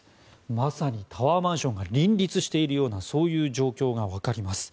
まさにタワーマンションが林立しているような状況が分かります。